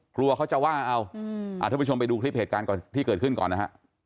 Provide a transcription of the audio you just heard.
กลัวเขาจะว่าเอาท่านผู้ชมไปดูคลิปเหตุการณ์ก่อนที่เกิดขึ้นก่อนนะฮะ